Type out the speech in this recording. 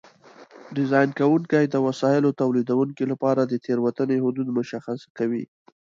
ډیزاین کوونکي د وسایلو تولیدوونکو لپاره د تېروتنې حدود مشخص کوي.